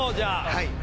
はい。